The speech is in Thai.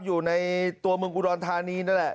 อยู่ในตัวเมืองอุดรธานีนั่นแหละ